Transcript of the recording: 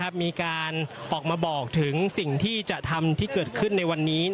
มีการออกมาบอกถึงสิ่งที่จะทำที่เกิดขึ้นในวันนี้